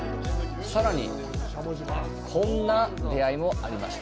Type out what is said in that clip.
さらに、こんな出会いもありました。